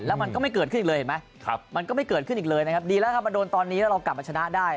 แล้วมันก็ไม่เกิดขึ้นอีกเลยเห็นไหมมันก็ไม่เกิดขึ้นอีกเลยนะครับดีแล้วถ้ามาโดนตอนนี้แล้วเรากลับมาชนะได้